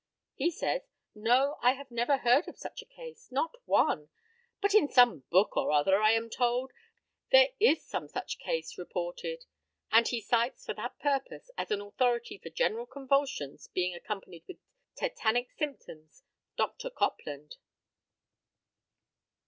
He says, "No, I never heard of such a case, not one; but in some book or other, I am told, there is some such case reported," and he cites, for that purpose, as an authority for general convulsions being accompanied with tetanic symptoms, Dr. Copland.